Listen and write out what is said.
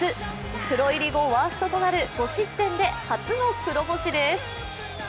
プロ入り後ワーストとなる５失点で初の黒星です。